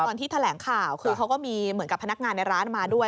ตอนที่แถลงข่าวคือเขาก็มีเหมือนกับพนักงานในร้านมาด้วย